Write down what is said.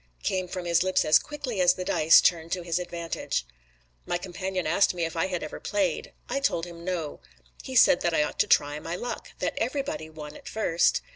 came from his lips as quickly as the dice turned to his advantage. My companion asked me if I had ever played. I told him no. He said that I ought to try my luck: that everybody won at first.